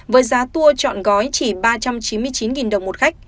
với giá tour chọn gói chỉ ba triệu đồng